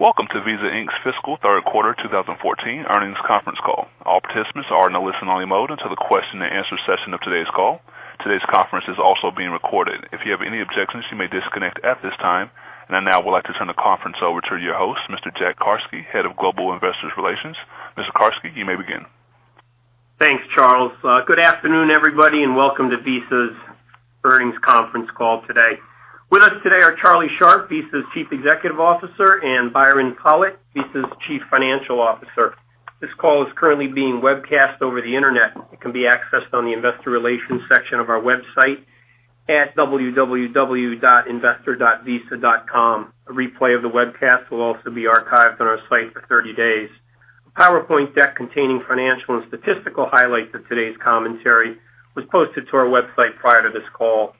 Welcome to Visa Inc.'s fiscal third quarter 2014 earnings conference call. All participants are now in listen-only mode until the question and answer session of today's call. Today's conference is also being recorded. If you have any objections, you may disconnect at this time. And I now would like to turn the conference over to your host, Mr. Jack Carsky, head of global investor relations. Mr. Carsky, you may begin. Thanks, Charles. Good afternoon, everybody, and welcome to Visa's earnings conference call today. With us today are Charlie Scharf, Visa's Chief Executive Officer, and Byron Pollitt, Visa's Chief Financial Officer. This call is currently being webcast over the internet. It can be accessed on the investor relations section of our website at www.investor.visa.com. A replay of the webcast will also be archived on our site for 30 days. A PowerPoint deck containing financial and statistical highlights of today's commentary was posted to our website prior to this call.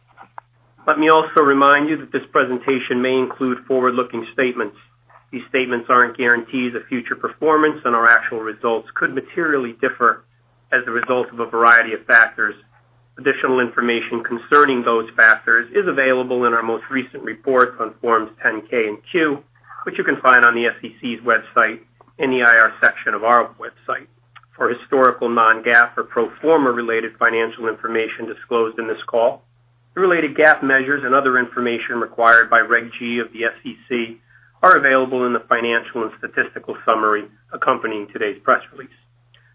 Let me also remind you that this presentation may include forward-looking statements. These statements aren't guarantees of future performance, and our actual results could materially differ as a result of a variety of factors. Additional information concerning those factors is available in our most recent reports on Forms 10-K and 10-Q, which you can find on the SEC's website in the IR section of our website. For historical non-GAAP or pro forma-related financial information disclosed in this call, the related GAAP measures and other information required by Reg G of the SEC are available in the financial and statistical summary accompanying today's press release.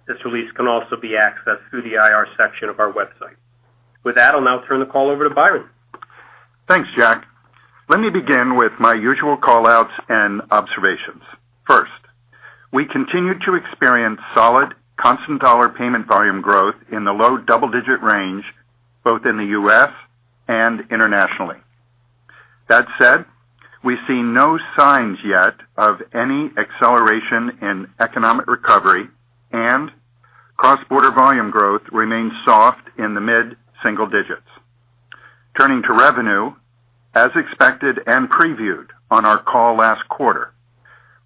This release can also be accessed through the IR section of our website. With that, I'll now turn the call over to Byron. Thanks, Jack. Let me begin with my usual callouts and observations. First, we continue to experience solid constant dollar payment volume growth in the low double-digit range, both in the U.S. and internationally. That said, we see no signs yet of any acceleration in economic recovery, and cross-border volume growth remains soft in the mid-single digits. Turning to revenue, as expected and previewed on our call last quarter,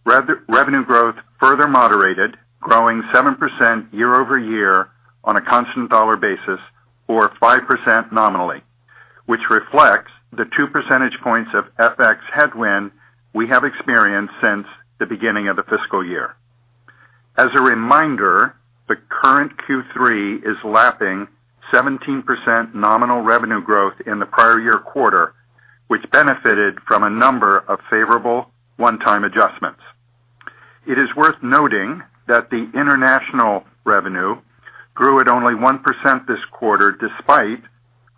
revenue growth further moderated, growing 7% year-over-year on a constant dollar basis or 5% nominally, which reflects the two percentage points of FX headwind we have experienced since the beginning of the fiscal year. As a reminder, the current Q3 is lapping 17% nominal revenue growth in the prior year quarter, which benefited from a number of favorable one-time adjustments. It is worth noting that the international revenue grew at only 1% this quarter, despite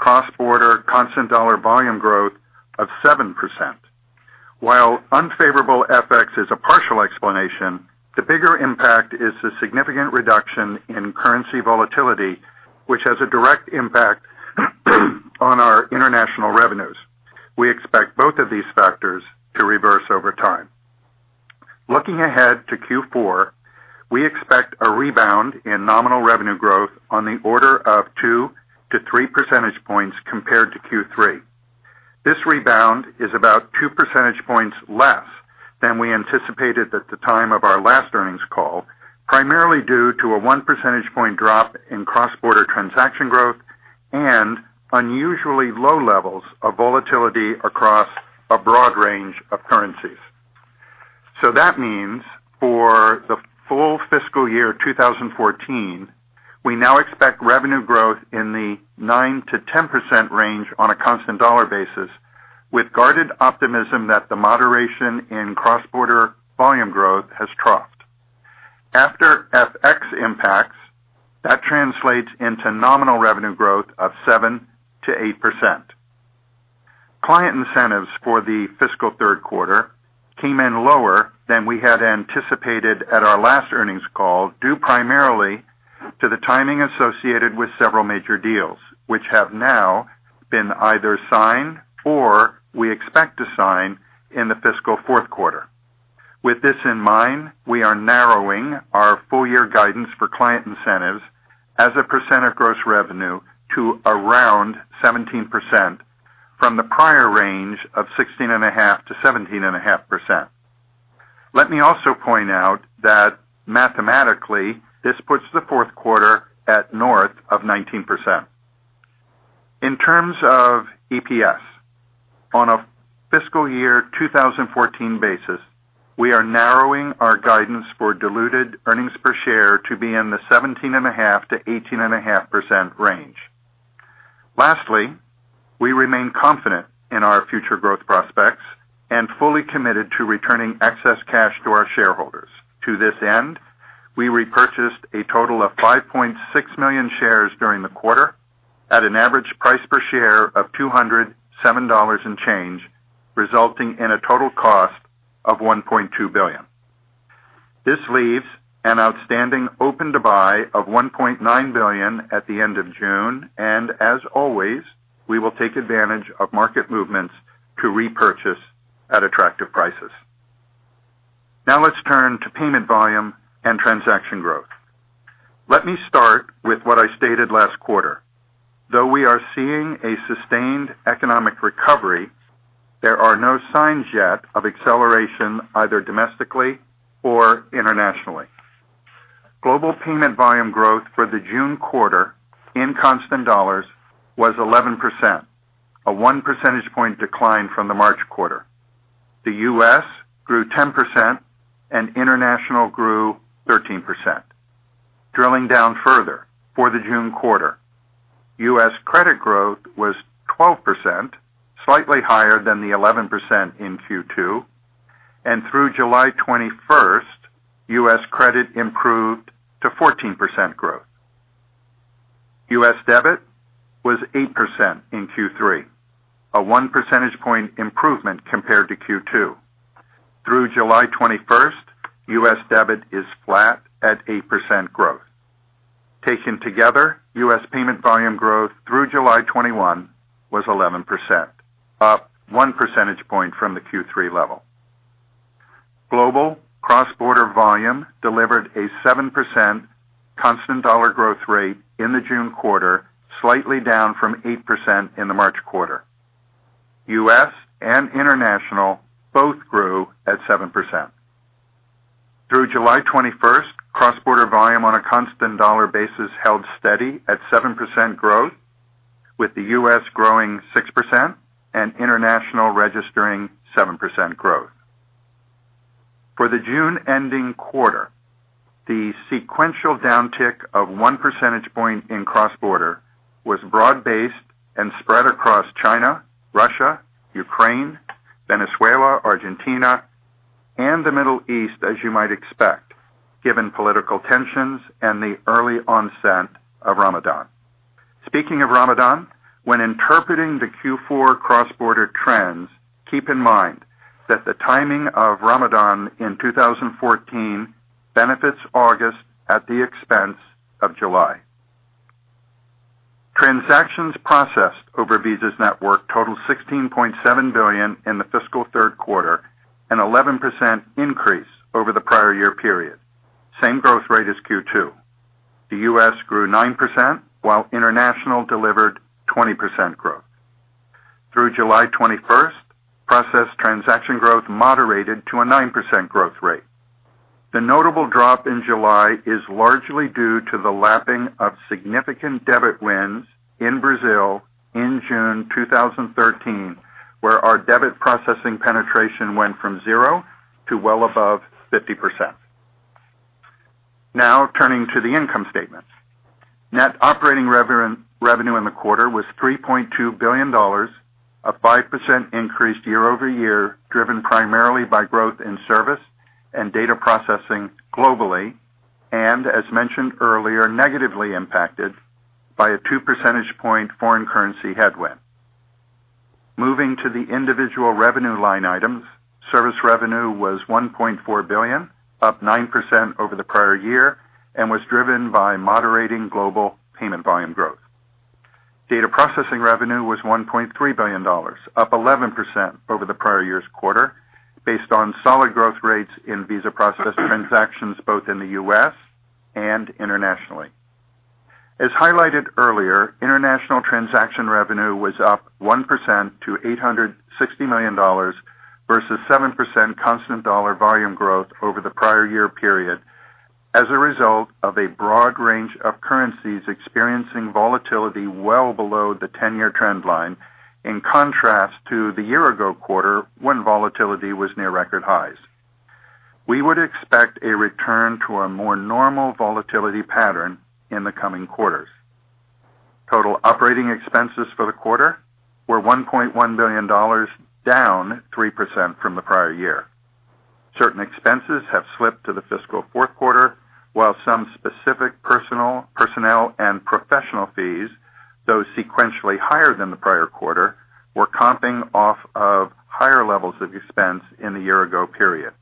cross-border constant dollar volume growth of 7%. While unfavorable FX is a partial explanation, the bigger impact is the significant reduction in currency volatility, which has a direct impact on our international revenues. We expect both of these factors to reverse over time. Looking ahead to Q4, we expect a rebound in nominal revenue growth on the order of two to three percentage points compared to Q3. This rebound is about two percentage points less than we anticipated at the time of our last earnings call, primarily due to a one percentage point drop in cross-border transaction growth and unusually low levels of volatility across a broad range of currencies. So that means for the full fiscal year 2014, we now expect revenue growth in the 9-10% range on a constant dollar basis, with guarded optimism that the moderation in cross-border volume growth has troughed. After FX impacts, that translates into nominal revenue growth of 7-8%. Client incentives for the fiscal third quarter came in lower than we had anticipated at our last earnings call due primarily to the timing associated with several major deals, which have now been either signed or we expect to sign in the fiscal fourth quarter. With this in mind, we are narrowing our full-year guidance for client incentives as a percent of gross revenue to around 17% from the prior range of 16.5-17.5%. Let me also point out that mathematically, this puts the fourth quarter at north of 19%. In terms of EPS, on a fiscal year 2014 basis, we are narrowing our guidance for diluted earnings per share to be in the 17.5%-18.5% range. Lastly, we remain confident in our future growth prospects and fully committed to returning excess cash to our shareholders. To this end, we repurchased a total of 5.6 million shares during the quarter at an average price per share of $207 and change, resulting in a total cost of $1.2 billion. This leaves an outstanding open to buy of $1.9 billion at the end of June, and as always, we will take advantage of market movements to repurchase at attractive prices. Now let's turn to payment volume and transaction growth. Let me start with what I stated last quarter. Though we are seeing a sustained economic recovery, there are no signs yet of acceleration either domestically or internationally. Global payment volume growth for the June quarter in constant dollars was 11%, a one percentage point decline from the March quarter. The U.S. grew 10% and international grew 13%. Drilling down further for the June quarter, U.S. credit growth was 12%, slightly higher than the 11% in Q2, and through July 21st, U.S. credit improved to 14% growth. U.S. debit was 8% in Q3, a one percentage point improvement compared to Q2. Through July 21st, U.S. debit is flat at 8% growth. Taken together, U.S. payment volume growth through July 21 was 11%, up one percentage point from the Q3 level. Global cross-border volume delivered a 7% constant dollar growth rate in the June quarter, slightly down from 8% in the March quarter. U.S. and international both grew at 7%. Through July 21st, cross-border volume on a constant dollar basis held steady at 7% growth, with the U.S. Growing 6% and international registering 7% growth. For the June ending quarter, the sequential downtick of one percentage point in cross-border was broad-based and spread across China, Russia, Ukraine, Venezuela, Argentina, and the Middle East, as you might expect, given political tensions and the early onset of Ramadan. Speaking of Ramadan, when interpreting the Q4 cross-border trends, keep in mind that the timing of Ramadan in 2014 benefits August at the expense of July. Transactions processed over Visa's network totaled 16.7 billion in the fiscal third quarter, an 11% increase over the prior year period. Same growth rate as Q2. The U.S. grew 9% while international delivered 20% growth. Through July 21st, processed transaction growth moderated to a 9% growth rate. The notable drop in July is largely due to the lapping of significant debit wins in Brazil in June 2013, where our debit processing penetration went from zero to well above 50%. Now turning to the income statements. Net operating revenue in the quarter was $3.2 billion, a 5% increase year-over-year driven primarily by growth in service and data processing globally, and as mentioned earlier, negatively impacted by a two percentage point foreign currency headwind. Moving to the individual revenue line items, service revenue was $1.4 billion, up 9% over the prior year, and was driven by moderating global payment volume growth. Data processing revenue was $1.3 billion, up 11% over the prior year's quarter, based on solid growth rates in Visa processed transactions both in the U.S. and internationally. As highlighted earlier, international transaction revenue was up 1% to $860 million versus 7% constant dollar volume growth over the prior year period, as a result of a broad range of currencies experiencing volatility well below the 10-year trend line, in contrast to the year-ago quarter when volatility was near record highs. We would expect a return to a more normal volatility pattern in the coming quarters. Total operating expenses for the quarter were $1.1 billion, down 3% from the prior year. Certain expenses have slipped to the fiscal fourth quarter, while some specific personnel and professional fees, though sequentially higher than the prior quarter, were comping off of higher levels of expense in the year-ago period.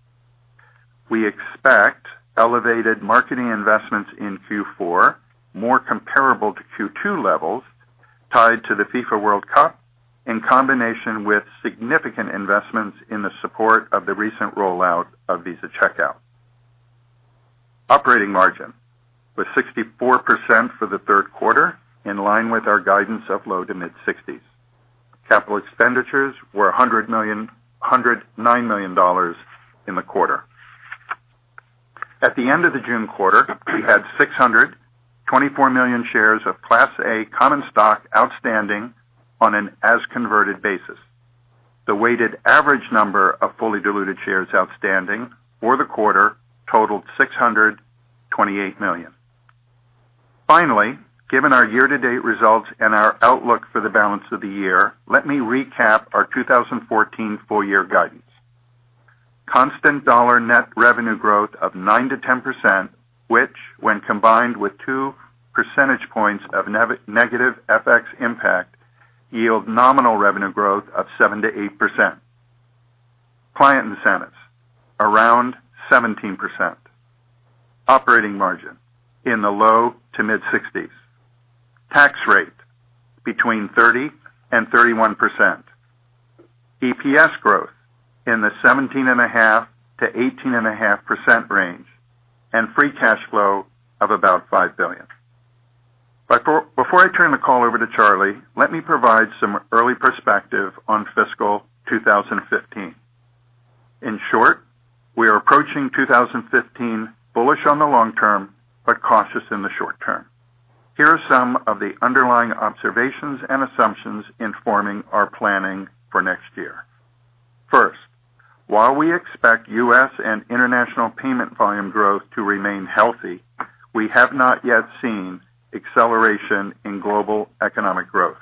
We expect elevated marketing investments in Q4, more comparable to Q2 levels, tied to the FIFA World Cup, in combination with significant investments in the support of the recent rollout of Visa Checkout. Operating margin was 64% for the third quarter, in line with our guidance of low to mid-60s. Capital expenditures were $109 million in the quarter. At the end of the June quarter, we had 624 million shares of Class A common stock outstanding on an as-converted basis. The weighted average number of fully diluted shares outstanding for the quarter totaled 628 million. Finally, given our year-to-date results and our outlook for the balance of the year, let me recap our 2014 full-year guidance. Constant dollar net revenue growth of 9%-10%, which, when combined with two percentage points of negative FX impact, yields nominal revenue growth of 7%-8%. Client incentives, around 17%. Operating margin in the low to mid-60s. Tax rate between 30%-31%. EPS growth in the 17.5%-18.5% range, and free cash flow of about $5 billion. Before I turn the call over to Charlie, let me provide some early perspective on fiscal 2015. In short, we are approaching 2015 bullish on the long term, but cautious in the short term. Here are some of the underlying observations and assumptions informing our planning for next year. First, while we expect U.S. and international payment volume growth to remain healthy, we have not yet seen acceleration in global economic growth.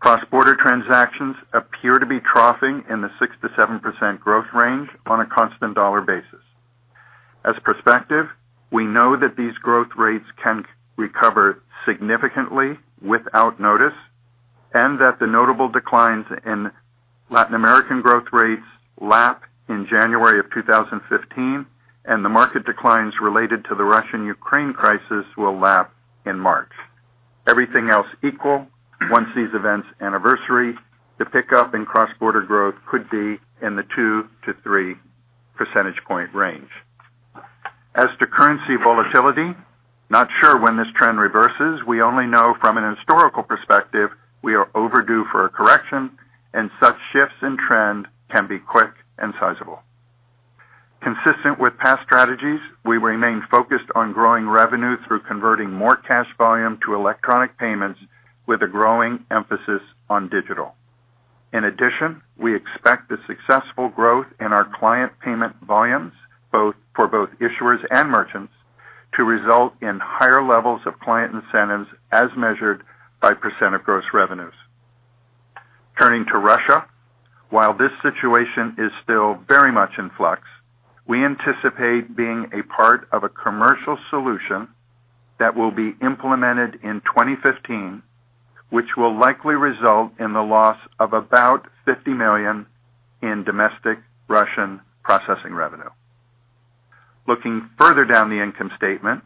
Cross-border transactions appear to be troughing in the 6%-7% growth range on a constant dollar basis. In perspective, we know that these growth rates can recover significantly without notice, and that the notable declines in Latin American growth rates lap in January of 2015, and the market declines related to the Russia-Ukraine crisis will lap in March. Everything else equal, once these events anniversary, the pickup in cross-border growth could be in the 2-3 percentage point range. As to currency volatility, not sure when this trend reverses. We only know from an historical perspective we are overdue for a correction, and such shifts in trend can be quick and sizable. Consistent with past strategies, we remain focused on growing revenue through converting more cash volume to electronic payments with a growing emphasis on digital. In addition, we expect the successful growth in our client payment volumes, both for issuers and merchants, to result in higher levels of client incentives as measured by percent of gross revenues. Turning to Russia, while this situation is still very much in flux, we anticipate being a part of a commercial solution that will be implemented in 2015, which will likely result in the loss of about $50 million in domestic Russian processing revenue. Looking further down the income statement,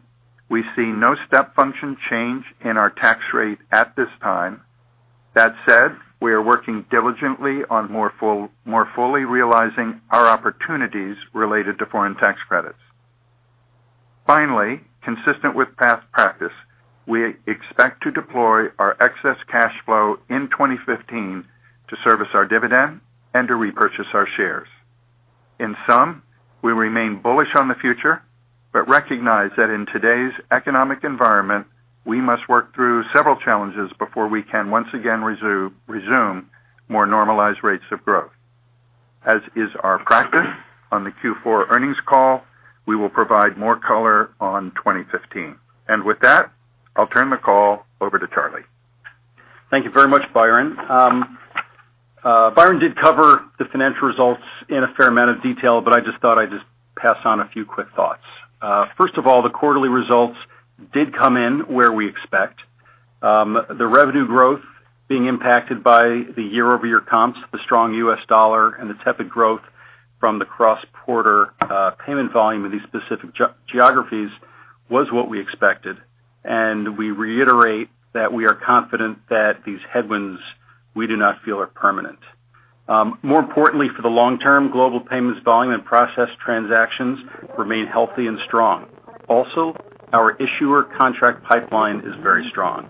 we see no step function change in our tax rate at this time. That said, we are working diligently on more fully realizing our opportunities related to foreign tax credits. Finally, consistent with past practice, we expect to deploy our excess cash flow in 2015 to service our dividend and to repurchase our shares. In sum, we remain bullish on the future, but recognize that in today's economic environment, we must work through several challenges before we can once again resume more normalized rates of growth. As is our practice on the Q4 earnings call, we will provide more color on 2015, and with that, I'll turn the call over to Charlie. Thank you very much, Byron. Byron did cover the financial results in a fair amount of detail, but I just thought I'd just pass on a few quick thoughts. First of all, the quarterly results did come in where we expect. The revenue growth being impacted by the year-over-year comps, the strong U.S. dollar, and the tepid growth from the cross-border payment volume in these specific geographies was what we expected, and we reiterate that we are confident that these headwinds we do not feel are permanent. More importantly, for the long term, global payments volume and processed transactions remain healthy and strong. Also, our issuer contract pipeline is very strong.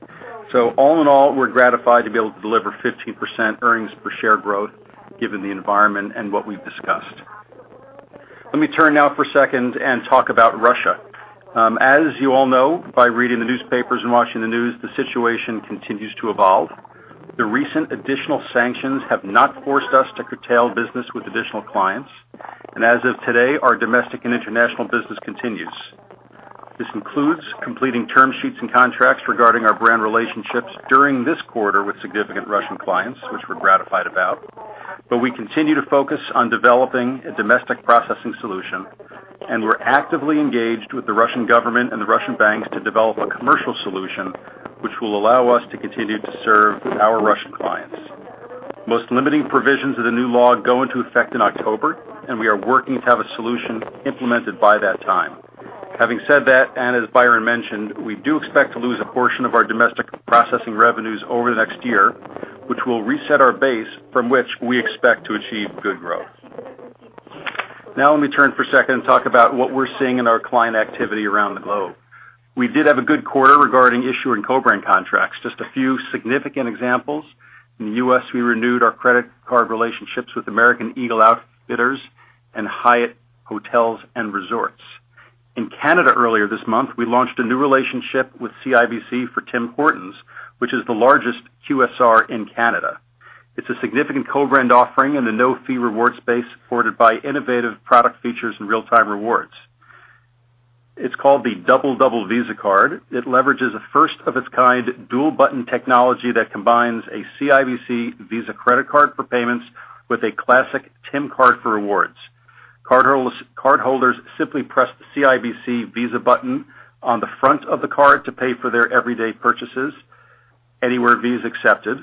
All in all, we're gratified to be able to deliver 15% earnings per share growth given the environment and what we've discussed. Let me turn now for a second and talk about Russia. As you all know, by reading the newspapers and watching the news, the situation continues to evolve. The recent additional sanctions have not forced us to curtail business with additional clients. As of today, our domestic and international business continues. This includes completing term sheets and contracts regarding our brand relationships during this quarter with significant Russian clients, which we're gratified about. We continue to focus on developing a domestic processing solution, and we're actively engaged with the Russian government and the Russian banks to develop a commercial solution which will allow us to continue to serve our Russian clients. Most limiting provisions of the new law go into effect in October, and we are working to have a solution implemented by that time. Having said that, and as Byron mentioned, we do expect to lose a portion of our domestic processing revenues over the next year, which will reset our base from which we expect to achieve good growth. Now let me turn for a second and talk about what we're seeing in our client activity around the globe. We did have a good quarter regarding issuing co-brand contracts. Just a few significant examples: in the U.S., we renewed our credit card relationships with American Eagle Outfitters and Hyatt Hotels and Resorts. In Canada earlier this month, we launched a new relationship with CIBC for Tim Hortons, which is the largest QSR in Canada. It's a significant co-brand offering in the no-fee reward space afforded by innovative product features and real-time rewards. It's called the Double Double Visa Card. It leverages a first-of-its-kind dual-button technology that combines a CIBC Visa credit card for payments with a classic Tim Card for rewards. Cardholders simply press the CIBC Visa button on the front of the card to pay for their everyday purchases anywhere Visa accepted,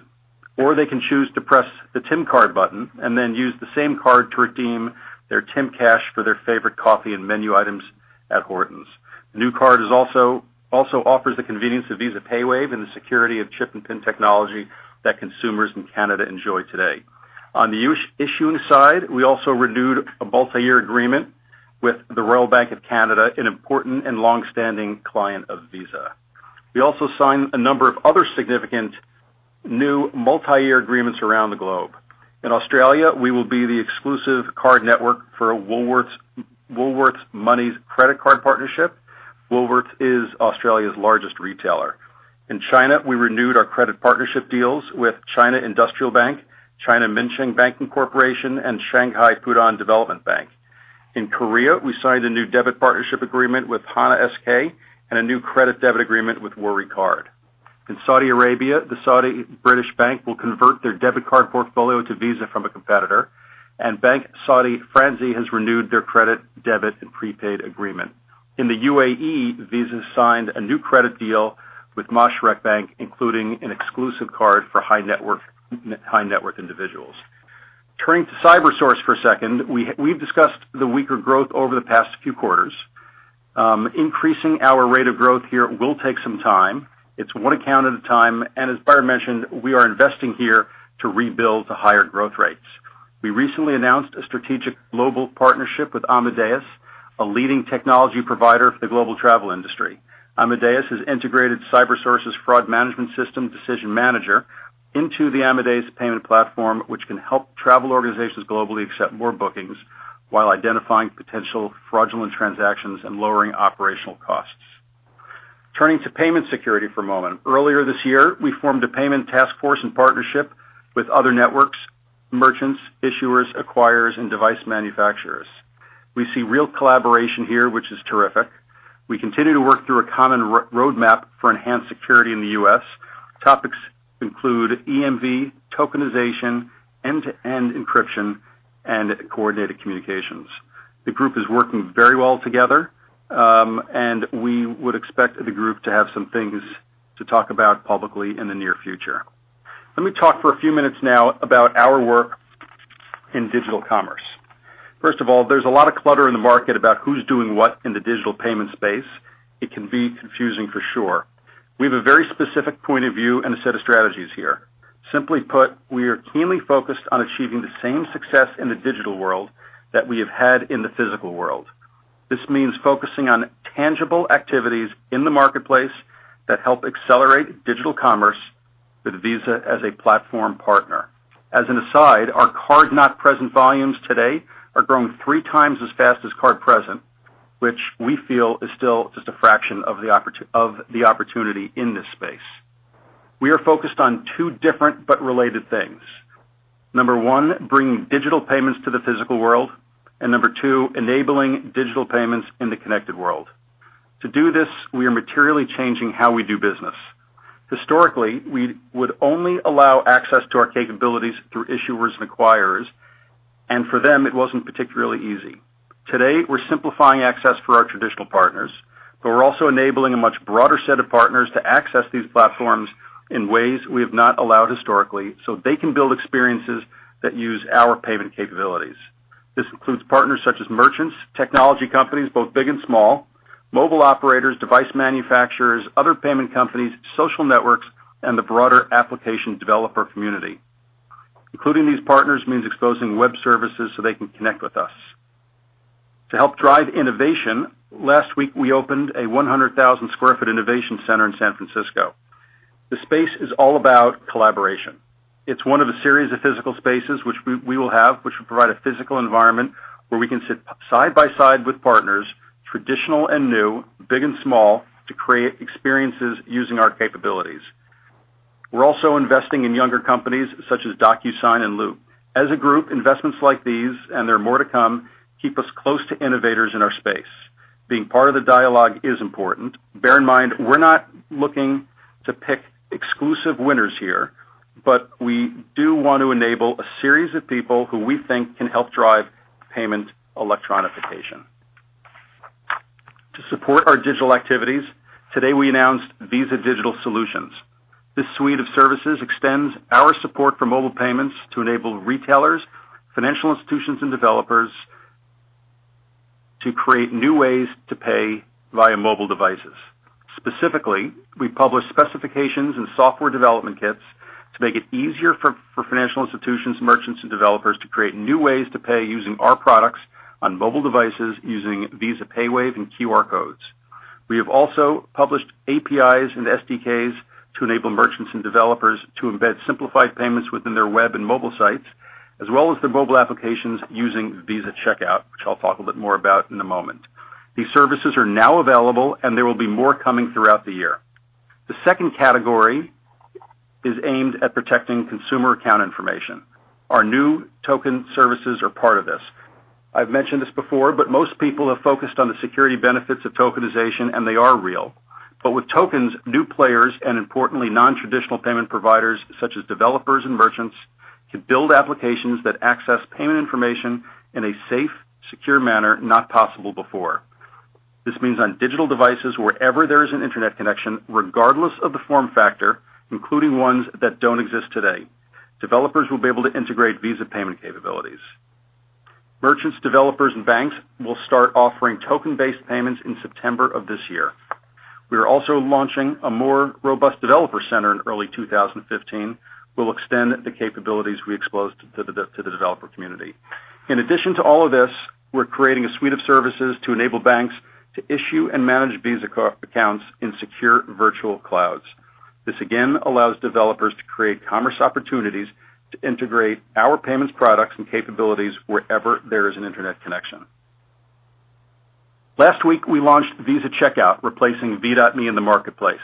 or they can choose to press the Tim Card button and then use the same card to redeem their Tim Cash for their favorite coffee and menu items at Tim Hortons. The new card also offers the convenience of Visa payWave and the security of chip and PIN technology that consumers in Canada enjoy today. On the issuing side, we also renewed a multi-year agreement with the Royal Bank of Canada, an important and long-standing client of Visa. We also signed a number of other significant new multi-year agreements around the globe. In Australia, we will be the exclusive card network for Woolworths Money's credit card partnership. Woolworths is Australia's largest retailer. In China, we renewed our credit partnership deals with China Industrial Bank, China Minsheng Banking Corporation, and Shanghai Pudong Development Bank. In Korea, we signed a new debit partnership agreement with Hana SK and a new credit-debit agreement with Woori Card. In Saudi Arabia, the Saudi British Bank will convert their debit card portfolio to Visa from a competitor, and Banque Saudi Fransi has renewed their credit-debit and prepaid agreement. In the UAE, Visa signed a new credit deal with Mashreq Bank, including an exclusive card for high-net-worth individuals. Turning to CyberSource for a second, we've discussed the weaker growth over the past few quarters. Increasing our rate of growth here will take some time. It's one account at a time. And as Byron mentioned, we are investing here to rebuild to higher growth rates. We recently announced a strategic global partnership with Amadeus, a leading technology provider for the global travel industry. Amadeus has integrated CyberSource's fraud management system Decision Manager into the Amadeus payment platform, which can help travel organizations globally accept more bookings while identifying potential fraudulent transactions and lowering operational costs. Turning to payment security for a moment. Earlier this year, we formed a payment task force in partnership with other networks, merchants, issuers, acquirers, and device manufacturers. We see real collaboration here, which is terrific. We continue to work through a common roadmap for enhanced security in the U.S. Topics include EMV, tokenization, end-to-end encryption, and coordinated communications. The group is working very well together, and we would expect the group to have some things to talk about publicly in the near future. Let me talk for a few minutes now about our work in digital commerce. First of all, there's a lot of clutter in the market about who's doing what in the digital payment space. It can be confusing for sure. We have a very specific point of view and a set of strategies here. Simply put, we are keenly focused on achieving the same success in the digital world that we have had in the physical world. This means focusing on tangible activities in the marketplace that help accelerate digital commerce with Visa as a platform partner. As an aside, our card-not-present volumes today are growing three times as fast as card-present, which we feel is still just a fraction of the opportunity in this space. We are focused on two different but related things. Number one, bringing digital payments to the physical world, and number two, enabling digital payments in the connected world. To do this, we are materially changing how we do business. Historically, we would only allow access to our capabilities through issuers and acquirers, and for them, it wasn't particularly easy. Today, we're simplifying access for our traditional partners, but we're also enabling a much broader set of partners to access these platforms in ways we have not allowed historically, so they can build experiences that use our payment capabilities. This includes partners such as merchants, technology companies, both big and small, mobile operators, device manufacturers, other payment companies, social networks, and the broader application developer community. Including these partners means exposing web services so they can connect with us. To help drive innovation, last week we opened a 100,000 sq ft innovation center in San Francisco. The space is all about collaboration. It's one of a series of physical spaces which we will have, which will provide a physical environment where we can sit side by side with partners, traditional and new, big and small, to create experiences using our capabilities. We're also investing in younger companies such as DocuSign and Loop. As a group, investments like these and there are more to come keep us close to innovators in our space. Being part of the dialogue is important. Bear in mind, we're not looking to pick exclusive winners here, but we do want to enable a series of people who we think can help drive payment electronification. To support our digital activities, today we announced Visa Digital Solutions. This suite of services extends our support for mobile payments to enable retailers, financial institutions, and developers to create new ways to pay via mobile devices. Specifically, we published specifications and software development kits to make it easier for financial institutions, merchants, and developers to create new ways to pay using our products on mobile devices using Visa payWave and QR codes. We have also published APIs and SDKs to enable merchants and developers to embed simplified payments within their web and mobile sites, as well as their mobile applications using Visa Checkout, which I'll talk a bit more about in a moment. These services are now available, and there will be more coming throughout the year. The second category is aimed at protecting consumer account information. Our new token services are part of this. I've mentioned this before, but most people have focused on the security benefits of tokenization, and they are real. But with tokens, new players and, importantly, non-traditional payment providers such as developers and merchants can build applications that access payment information in a safe, secure manner not possible before. This means on digital devices wherever there is an internet connection, regardless of the form factor, including ones that don't exist today, developers will be able to integrate Visa payment capabilities. Merchants, developers, and banks will start offering token-based payments in September of this year. We are also launching a more robust developer center in early 2015. We'll extend the capabilities we exposed to the developer community. In addition to all of this, we're creating a suite of services to enable banks to issue and manage Visa accounts in secure virtual clouds. This, again, allows developers to create commerce opportunities to integrate our payments products and capabilities wherever there is an internet connection. Last week, we launched Visa Checkout, replacing V.me in the marketplace.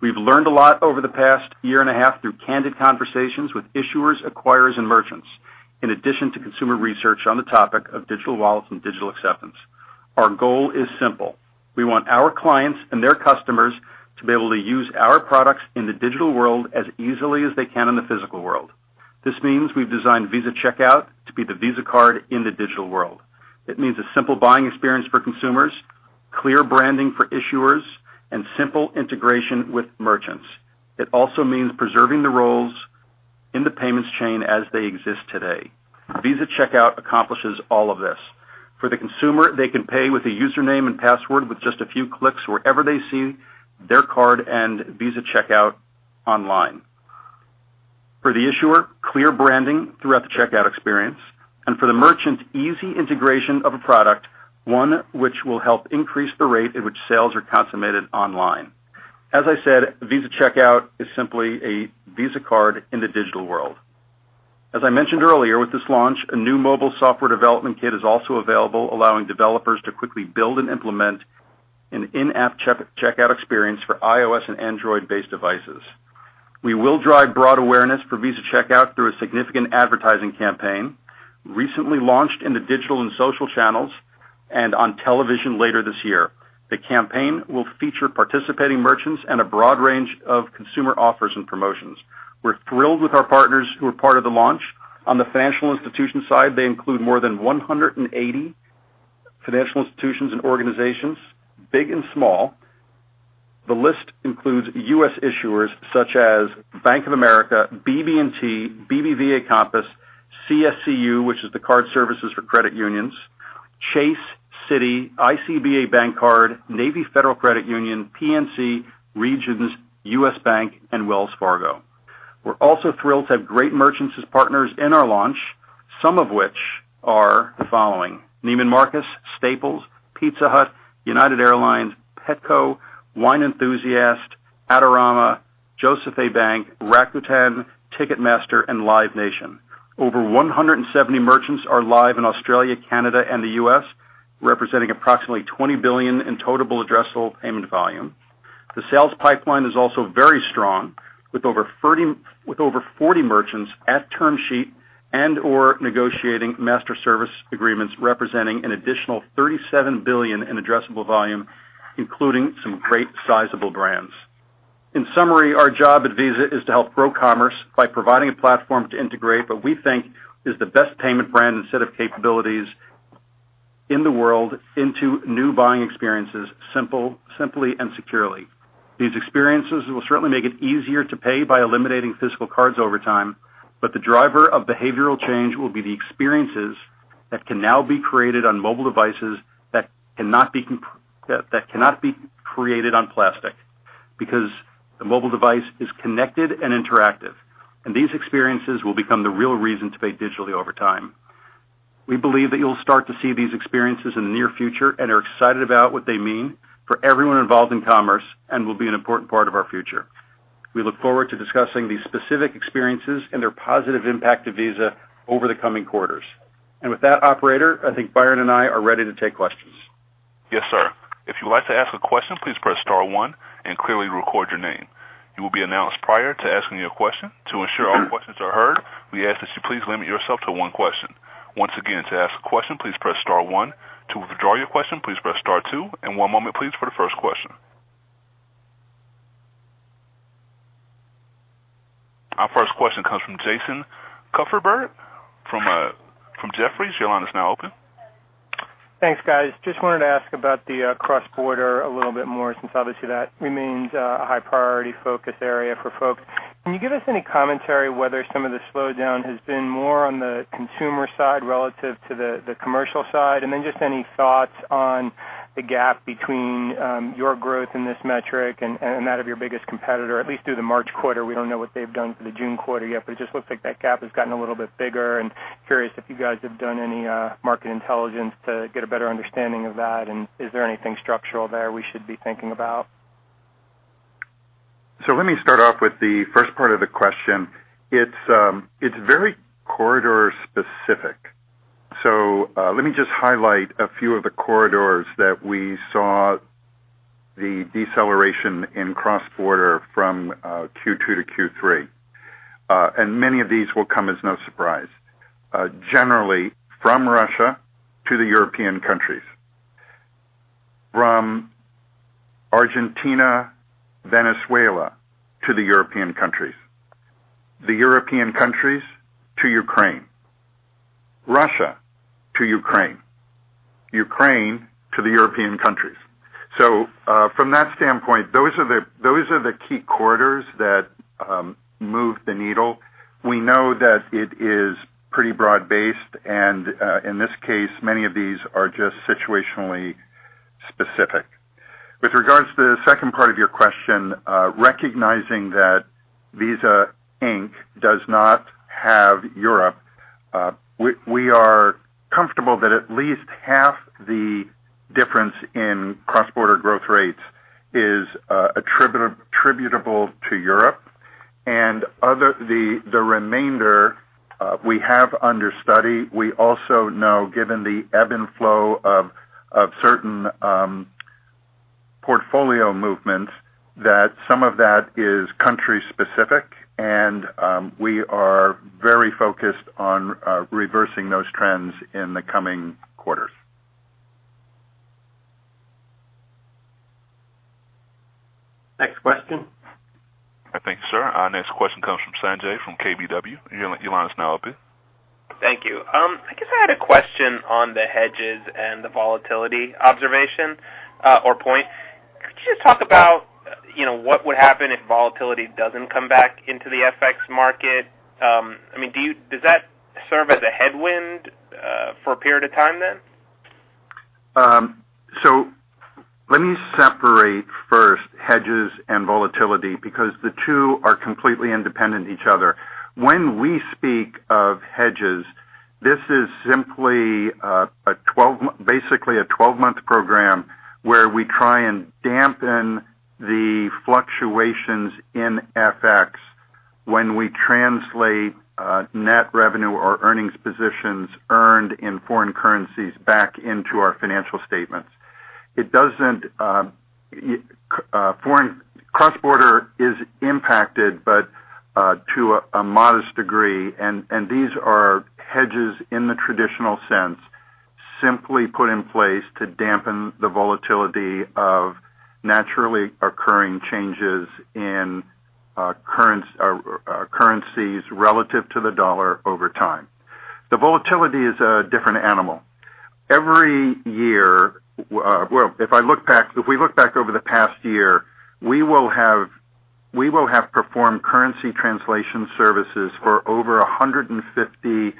We've learned a lot over the past year and a half through candid conversations with issuers, acquirers, and merchants, in addition to consumer research on the topic of digital wallets and digital acceptance. Our goal is simple. We want our clients and their customers to be able to use our products in the digital world as easily as they can in the physical world. This means we've designed Visa Checkout to be the Visa card in the digital world. It means a simple buying experience for consumers, clear branding for issuers, and simple integration with merchants. It also means preserving the roles in the payments chain as they exist today. Visa Checkout accomplishes all of this. For the consumer, they can pay with a username and password with just a few clicks wherever they see their card and Visa Checkout online. For the issuer, clear branding throughout the checkout experience, and for the merchant, easy integration of a product, one which will help increase the rate at which sales are consummated online. As I said, Visa Checkout is simply a Visa card in the digital world. As I mentioned earlier, with this launch, a new mobile software development kit is also available, allowing developers to quickly build and implement an in-app checkout experience for iOS and Android-based devices. We will drive broad awareness for Visa Checkout through a significant advertising campaign recently launched in the digital and social channels and on television later this year. The campaign will feature participating merchants and a broad range of consumer offers and promotions. We're thrilled with our partners who are part of the launch. On the financial institution side, they include more than 180 financial institutions and organizations, big and small. The list includes U.S. issuers such as Bank of America, BB&T, BBVA Compass, CSCU, which is Card Services for Credit Unions, Chase, Citi, ICBA Bancard, Navy Federal Credit Union, PNC, Regions, U.S. Bank, and Wells Fargo. We're also thrilled to have great merchants as partners in our launch, some of which are the following: Neiman Marcus, Staples, Pizza Hut, United Airlines, Petco, Wine Enthusiast, Adorama, Jos. A. Bank, Rakuten, Ticketmaster, and Live Nation. Over 170 merchants are live in Australia, Canada, and the U.S., representing approximately $20 billion in total addressable payment volume. The sales pipeline is also very strong, with over 40 merchants at term sheet and/or negotiating master service agreements representing an additional $37 billion in addressable volume, including some great sizable brands. In summary, our job at Visa is to help grow commerce by providing a platform to integrate what we think is the best payment brand and set of capabilities in the world into new buying experiences simply and securely. These experiences will certainly make it easier to pay by eliminating physical cards over time, but the driver of behavioral change will be the experiences that can now be created on mobile devices that cannot be created on plastic because the mobile device is connected and interactive, and these experiences will become the real reason to pay digitally over time. We believe that you'll start to see these experiences in the near future and are excited about what they mean for everyone involved in commerce and will be an important part of our future. We look forward to discussing these specific experiences and their positive impact to Visa over the coming quarters. And with that, Operator, I think Byron and I are ready to take questions. Yes, sir. If you'd like to ask a question, please press star one and clearly record your name. You will be announced prior to asking your question. To ensure all questions are heard, we ask that you please limit yourself to one question. Once again, to ask a question, please press star one. To withdraw your question, please press star two. One moment, please, for the first question. Our first question comes from Jason Kupferberg from Jefferies. Your line is now open. Thanks, guys. Just wanted to ask about the cross-border a little bit more since obviously that remains a high-priority focus area for folks. Can you give us any commentary whether some of the slowdown has been more on the consumer side relative to the commercial side? And then just any thoughts on the gap between your growth in this metric and that of your biggest competitor, at least through the March quarter? We don't know what they've done for the June quarter yet, but it just looks like that gap has gotten a little bit bigger. And curious if you guys have done any market intelligence to get a better understanding of that, and is there anything structural there we should be thinking about? So let me start off with the first part of the question. It's very corridor specific. So let me just highlight a few of the corridors that we saw the deceleration in cross-border from Q2 to Q3. And many of these will come as no surprise. Generally, from Russia to the European countries, from Argentina, Venezuela to the European countries, the European countries to Ukraine, Russia to Ukraine, Ukraine to the European countries. So from that standpoint, those are the key corridors that move the needle. We know that it is pretty broad-based, and in this case, many of these are just situationally specific. With regards to the second part of your question, recognizing that Visa Inc. does not have Europe, we are comfortable that at least half the difference in cross-border growth rates is attributable to Europe. The remainder, we have understudied. We also know, given the ebb and flow of certain portfolio movements, that some of that is country-specific, and we are very focused on reversing those trends in the coming quarters. Next question. Thank you, sir. Our next question comes from Sanjay from KBW. Your line is now open. Thank you. I guess I had a question on the hedges and the volatility observation or point. Could you just talk about what would happen if volatility doesn't come back into the FX market? I mean, does that serve as a headwind for a period of time then? So let me separate first hedges and volatility because the two are completely independent of each other. When we speak of hedges, this is simply basically a 12-month program where we try and dampen the fluctuations in FX when we translate net revenue or earnings positions earned in foreign currencies back into our financial statements. Cross-border is impacted, but to a modest degree. And these are hedges in the traditional sense, simply put in place to dampen the volatility of naturally occurring changes in currencies relative to the dollar over time. The volatility is a different animal. Every year, well, if we look back over the past year, we will have performed currency translation services for over $150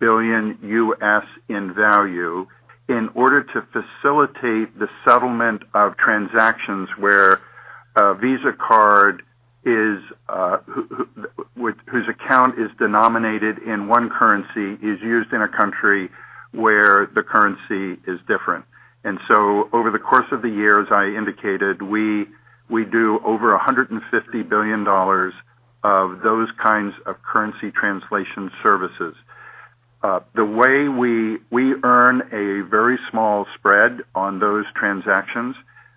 billion U.S. In value in order to facilitate the settlement of transactions where a Visa card whose account is denominated in one currency is used in a country where the currency is different. Over the course of the years, I indicated we do over $150 billion of those kinds of currency translation services. The way we earn a very small spread on those transactions,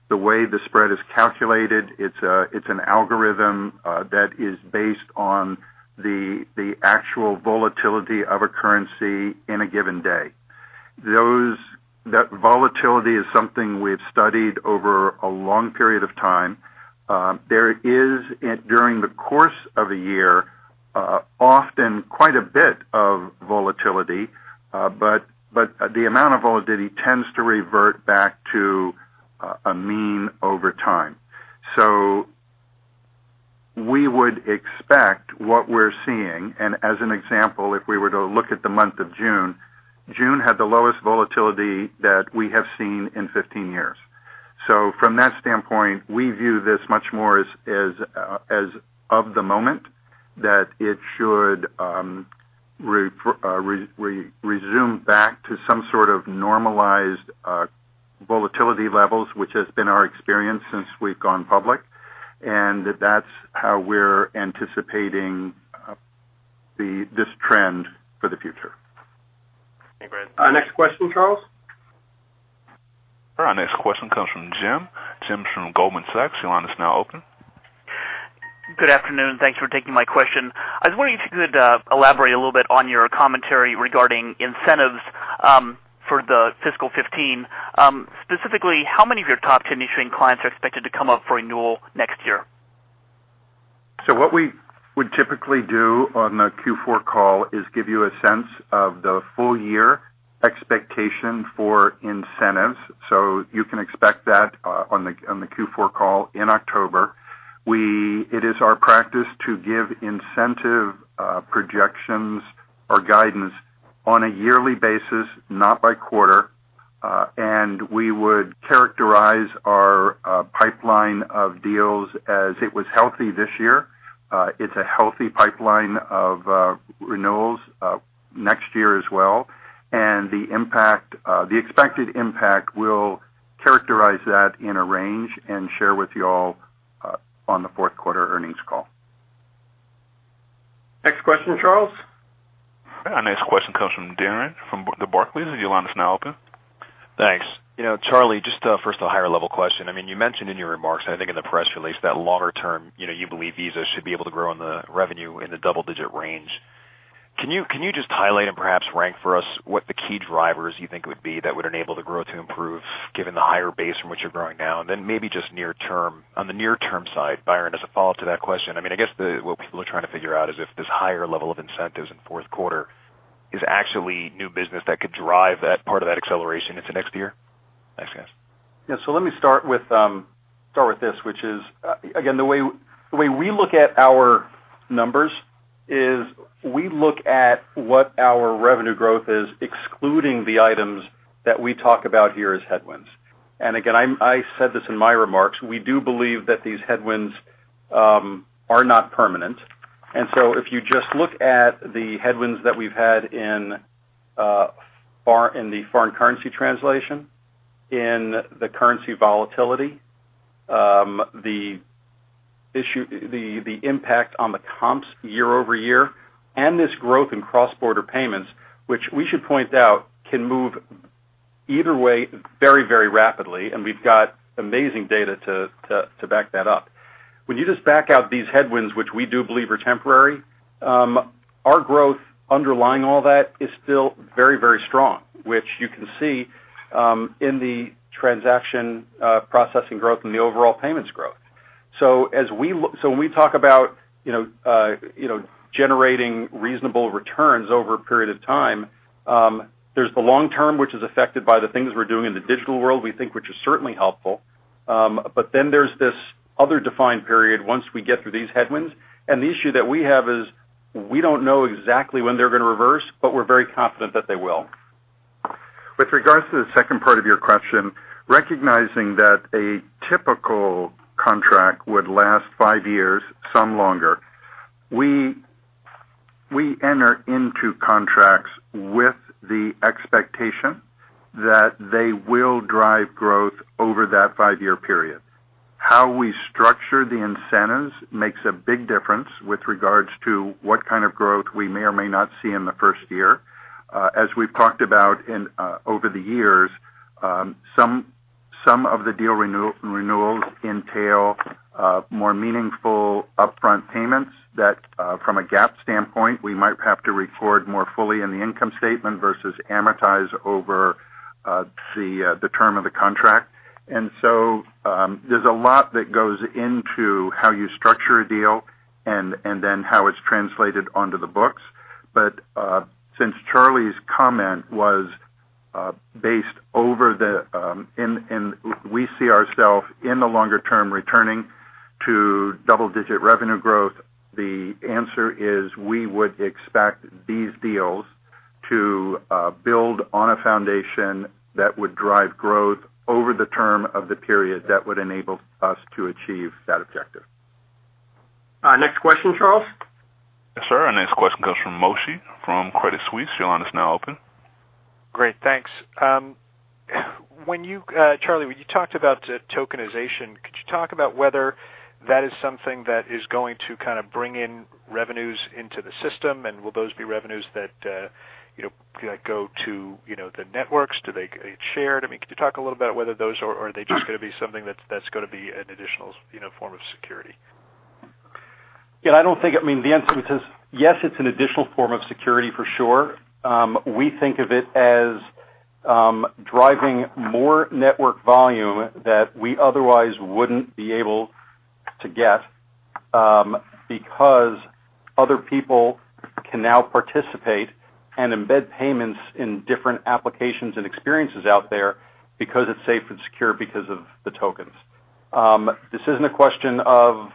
the way the spread is calculated, it's an algorithm that is based on the actual volatility of a currency in a given day. That volatility is something we've studied over a long period of time. There is, during the course of a year, often quite a bit of volatility, but the amount of volatility tends to revert back to a mean over time. So we would expect what we're seeing, and as an example, if we were to look at the month of June, June had the lowest volatility that we have seen in 15 years. So from that standpoint, we view this much more as of the moment that it should resume back to some sort of normalized volatility levels, which has been our experience since we've gone public, and that's how we're anticipating this trend for the future. Thank you, Brad. Our next question, Charles. Our next question comes from Jim. Jim from Goldman Sachs. Your line is now open. Good afternoon. Thanks for taking my question. I was wondering if you could elaborate a little bit on your commentary regarding incentives for the fiscal 2015. Specifically, how many of your top 10 issuing clients are expected to come up for renewal next year? So what we would typically do on the Q4 call is give you a sense of the full-year expectation for incentives. So you can expect that on the Q4 call in October. It is our practice to give incentive projections or guidance on a yearly basis, not by quarter, and we would characterize our pipeline of deals as it was healthy this year. It's a healthy pipeline of renewals next year as well. And the expected impact will characterize that in a range and share with you all on the fourth quarter earnings call. Next question, Charles. Our next question comes from Darrin from Barclays. Your line is now open. Thanks. Charlie, just a first of higher-level question. I mean, you mentioned in your remarks, I think in the press release, that longer-term, you believe Visa should be able to grow on the revenue in the double-digit range. Can you just highlight and perhaps rank for us what the key drivers you think would be that would enable the growth to improve given the higher base from which you're growing now? And then maybe just on the near-term side, Byron, as a follow-up to that question, I mean, I guess what people are trying to figure out is if this higher level of incentives in fourth quarter is actually new business that could drive that part of that acceleration into next year. Thanks, guys. Yeah. So let me start with this, which is, again, the way we look at our numbers is we look at what our revenue growth is excluding the items that we talk about here as headwinds. And again, I said this in my remarks, we do believe that these headwinds are not permanent. And so if you just look at the headwinds that we've had in the foreign currency translation, in the currency volatility, the impact on the comps year-over-year, and this growth in cross-border payments, which we should point out can move either way very, very rapidly, and we've got amazing data to back that up. When you just back out these headwinds, which we do believe are temporary, our growth underlying all that is still very, very strong, which you can see in the transaction processing growth and the overall payments growth. So when we talk about generating reasonable returns over a period of time, there's the long term, which is affected by the things we're doing in the digital world, we think, which is certainly helpful. But then there's this other defined period once we get through these headwinds. The issue that we have is we don't know exactly when they're going to reverse, but we're very confident that they will. With regards to the second part of your question, recognizing that a typical contract would last five years, some longer, we enter into contracts with the expectation that they will drive growth over that five-year period. How we structure the incentives makes a big difference with regards to what kind of growth we may or may not see in the first year. As we've talked about over the years, some of the deal renewals entail more meaningful upfront payments that, from a GAAP standpoint, we might have to record more fully in the income statement versus amortize over the term of the contract. There's a lot that goes into how you structure a deal and then how it's translated onto the books. But since Charlie's comment was based on the, and we see ourselves in the longer term returning to double-digit revenue growth, the answer is we would expect these deals to build on a foundation that would drive growth over the term of the period that would enable us to achieve that objective. Our next question, Charles. Yes, sir. Our next question comes from Moshe from Credit Suisse. Your line is now open. Great. Thanks. Charlie, when you talked about tokenization, could you talk about whether that is something that is going to kind of bring in revenues into the system, and will those be revenues that go to the networks? Do they get shared? I mean, could you talk a little bit about whether those are—are they just going to be something that's going to be an additional form of security? Yeah.I don't think, I mean, the answer is yes, it's an additional form of security for sure. We think of it as driving more network volume that we otherwise wouldn't be able to get because other people can now participate and embed payments in different applications and experiences out there because it's safe and secure because of the tokens. This isn't a question of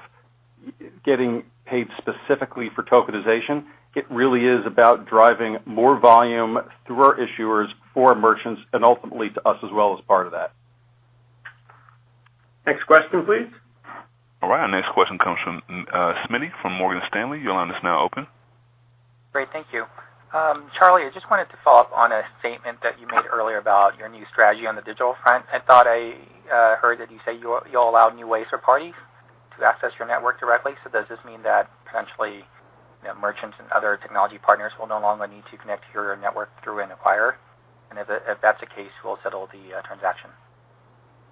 getting paid specifically for tokenization. It really is about driving more volume through our issuers for merchants and ultimately to us as well as part of that. Next question, please. All right. Our next question comes from Smitti from Morgan Stanley. Your line is now open. Great. Thank you. Charlie, I just wanted to follow up on a statement that you made earlier about your new strategy on the digital front. I thought I heard that you say you'll allow new ways for parties to access your network directly. So does this mean that potentially merchants and other technology partners will no longer need to connect to your network through an acquirer? And if that's the case, we'll settle the transaction?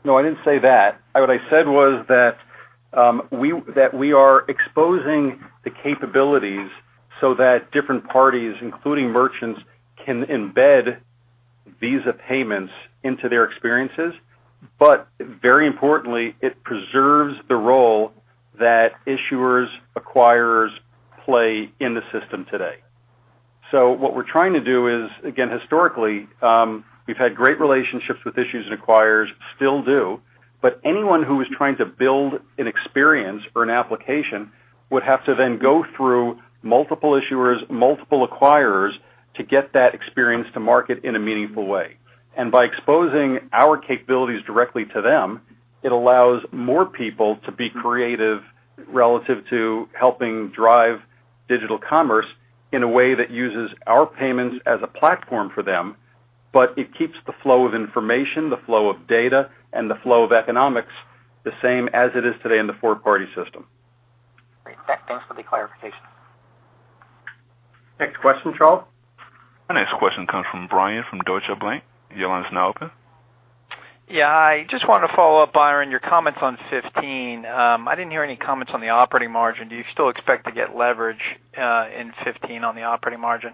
No, I didn't say that. What I said was that we are exposing the capabilities so that different parties, including merchants, can embed Visa payments into their experiences. But very importantly, it preserves the role that issuers, acquirers play in the system today. What we're trying to do is, again, historically, we've had great relationships with issuers and acquirers, still do, but anyone who is trying to build an experience or an application would have to then go through multiple issuers, multiple acquirers to get that experience to market in a meaningful way. By exposing our capabilities directly to them, it allows more people to be creative relative to helping drive digital commerce in a way that uses our payments as a platform for them, but it keeps the flow of information, the flow of data, and the flow of economics the same as it is today in the four-party system. Great. Thanks for the clarification. Next question, Charles. Our next question comes from Bryan from Deutsche Bank. Your line is now open. Yeah. I just wanted to follow up, Byron, your comments on 2015. I didn't hear any comments on the operating margin. Do you still expect to get leverage in 2015 on the operating margin?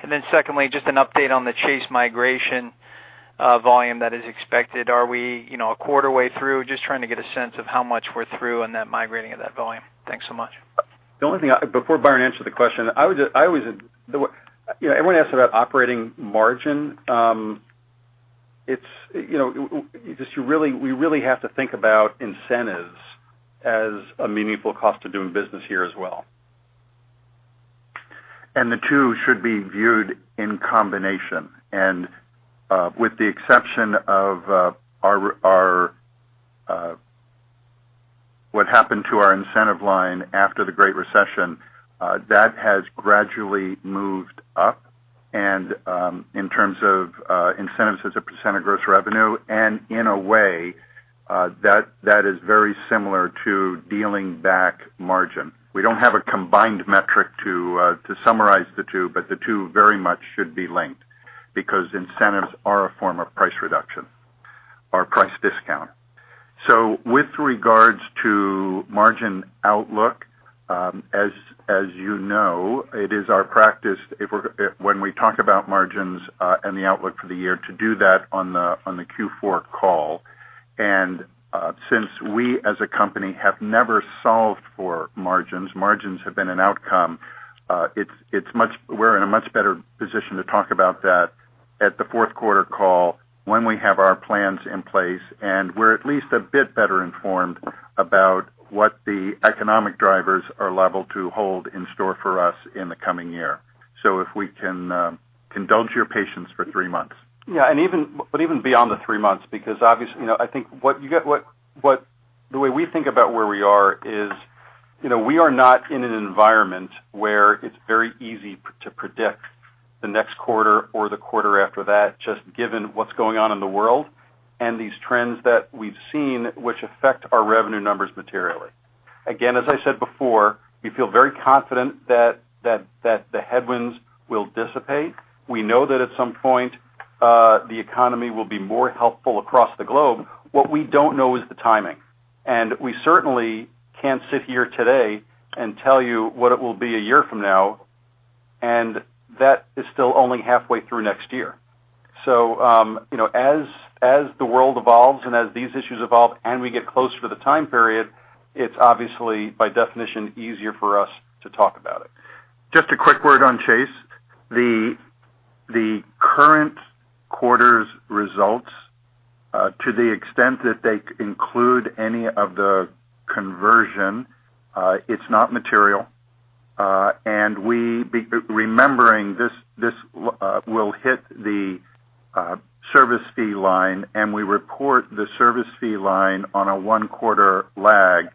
And then secondly, just an update on the Chase migration volume that is expected. Are we a quarter way through? Just trying to get a sense of how much we're through on that migrating of that volume. Thanks so much. The only thing I-before Byron answered the question, I always-everyone asks about operating margin. We really have to think about incentives as a meaningful cost of doing business here as well. And the two should be viewed in combination. And with the exception of what happened to our incentive line after the Great Recession, that has gradually moved up in terms of incentives as a % of gross revenue. And in a way, that is very similar to dealing back margin. We don't have a combined metric to summarize the two, but the two very much should be linked because incentives are a form of price reduction or price discount. With regards to margin outlook, as you know, it is our practice when we talk about margins and the outlook for the year to do that on the Q4 call. And since we as a company have never solved for margins, margins have been an outcome, we're in a much better position to talk about that at the fourth quarter call when we have our plans in place, and we're at least a bit better informed about what the economic drivers are likely to hold in store for us in the coming year. So if we can indulge your patience for three months. Yeah. But even beyond the three months, because obviously, I think the way we think about where we are is we are not in an environment where it's very easy to predict the next quarter or the quarter after that, just given what's going on in the world and these trends that we've seen, which affect our revenue numbers materially. Again, as I said before, we feel very confident that the headwinds will dissipate. We know that at some point the economy will be more helpful across the globe. What we don't know is the timing. And we certainly can't sit here today and tell you what it will be a year from now, and that is still only halfway through next year. So as the world evolves and as these issues evolve and we get closer to the time period, it's obviously, by definition, easier for us to talk about it. Just a quick word on Chase. The current quarter's results, to the extent that they include any of the conversion, it's not material. And remembering, this will hit the service fee line, and we report the service fee line on a one-quarter lag.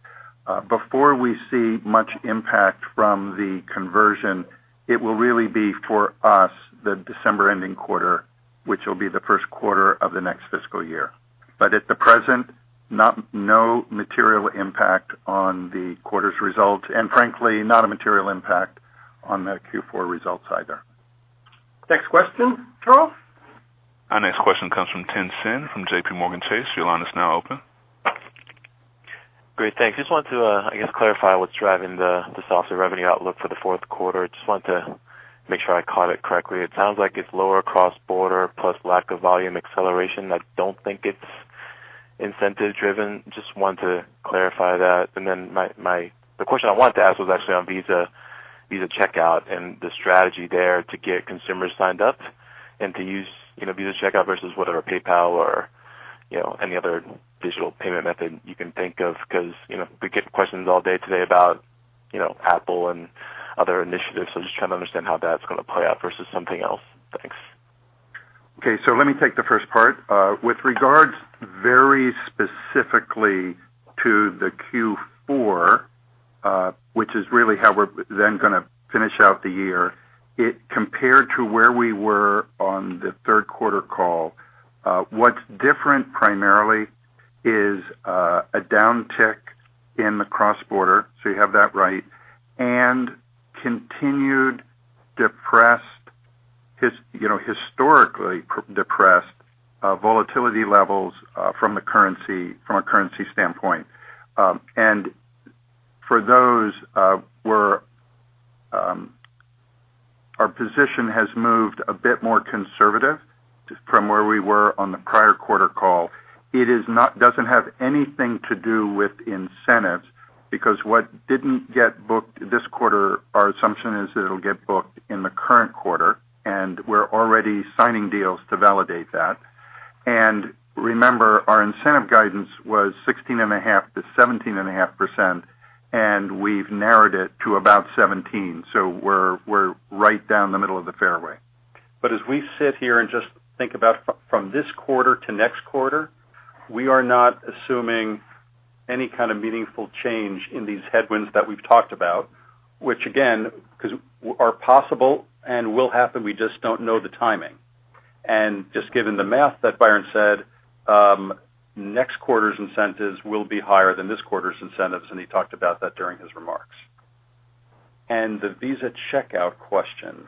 Before we see much impact from the conversion, it will really be for us the December ending quarter, which will be the first quarter of the next fiscal year. But at the present, no material impact on the quarter's results. And frankly, not a material impact on the Q4 results either. Next question, Charles. Our next question comes from Tien-Tsin Huang from JPMorgan Chase. Your line is now open. Great. Thanks. Just wanted to, I guess, clarify what's driving the soft revenue outlook for the fourth quarter. Just wanted to make sure I caught it correctly. It sounds like it's lower cross-border plus lack of volume acceleration. I don't think it's incentive-driven. Just wanted to clarify that, and then the question I wanted to ask was actually on Visa Checkout and the strategy there to get consumers signed up and to use Visa Checkout versus whatever, PayPal or any other digital payment method you can think of. Because we get questions all day today about Apple and other initiatives, so just trying to understand how that's going to play out versus something else. Thanks. Okay, so let me take the first part. With regards very specifically to the Q4, which is really how we're then going to finish out the year, compared to where we were on the third quarter call, what's different primarily is a downtick in the cross-border. So you have that right. And continued historically depressed volatility levels from a currency standpoint. And for those, our position has moved a bit more conservative from where we were on the prior quarter call. It doesn't have anything to do with incentives because what didn't get booked this quarter, our assumption is that it'll get booked in the current quarter, and we're already signing deals to validate that. And remember, our incentive guidance was 16.5%-17.5%, and we've narrowed it to about 17%. So we're right down the middle of the fairway. But as we sit here and just think about from this quarter to next quarter, we are not assuming any kind of meaningful change in these headwinds that we've talked about, which, again, are possible and will happen. We just don't know the timing. And just given the math that Byron said, next quarter's incentives will be higher than this quarter's incentives, and he talked about that during his remarks. And the Visa Checkout question,